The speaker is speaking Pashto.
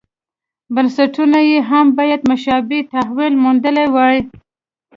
بنسټونو یې هم باید مشابه تحول موندلی وای.